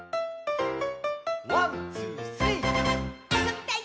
「ワンツースリー」「あそびたい！